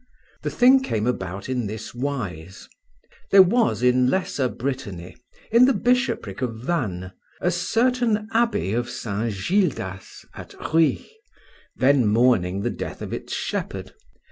The thing came about in this wise. There was in lesser Brittany, in the bishopric of Vannes, a certain abbey of St. Gildas at Ruits, then mourning the death of its shepherd.